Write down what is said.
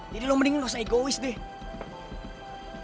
jadi lu mending lu harus egois deh